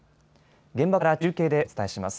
現場から中継でお伝えします。